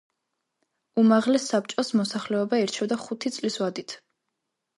უმაღლეს საბჭოს მოსახლეობა ირჩევდა ხუთი წლის ვადით.